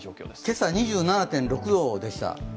今朝２７．６度でした。